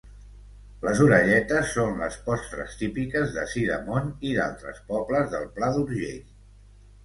Les orelletes són les postres típiques de Sidamon i d'altres pobles del Pla d'Urgell.